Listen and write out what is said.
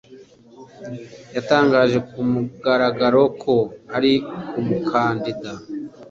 Yatangaje ku mugaragaro ko ari umukandida.